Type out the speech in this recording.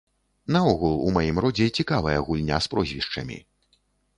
Наогул, у маім родзе цікавая гульня з прозвішчамі.